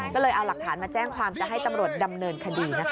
ก็เลยเอาหลักฐานมาแจ้งความจะให้ตำรวจดำเนินคดีนะคะ